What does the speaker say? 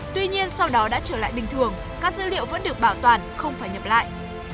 tuy nhiên sau đó đã trở lại bình thường các dữ liệu vẫn được bảo toàn không phải nhập lại